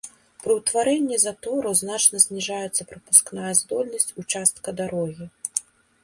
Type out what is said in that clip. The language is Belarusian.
Пры ўтварэнні затору значна зніжаецца прапускная здольнасць участка дарогі.